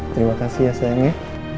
terima kasih ya sayangnya